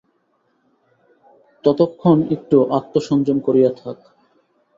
ততক্ষণ একটু আত্মসংযম করিয়া থাক!